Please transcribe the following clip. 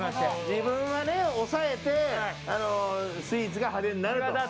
自分は抑えてスイーツが派手になると。